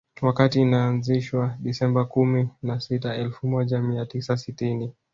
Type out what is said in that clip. Wakati inaanzishwa Disemba kumi na sita elfu moja mia tisa sitini